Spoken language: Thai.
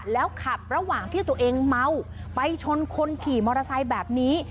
แล้วขับระหว่างที่ตัวเองเมาไปชนคนขี่มอเตอร์ไซค์แบบนี้